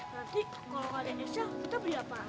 nanti kalo gak ada esnya kita beli apa